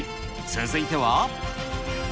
続いては。